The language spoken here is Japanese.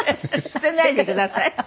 「捨てないでください」？